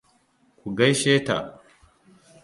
Ku gaishe ta.